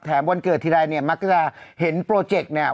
วันเกิดทีไรเนี่ยมักจะเห็นโปรเจกต์เนี่ย